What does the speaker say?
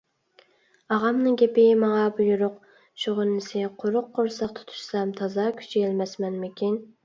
ئاغامنىڭ گېپى ماڭا بۇيرۇق. شۇغىنىسى، قۇرۇق قورساق تۇتۇشسام تازا كۈچىيەلمەسمەنمىكىن.